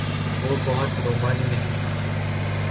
وہ بہت رومانی نہیں تھا۔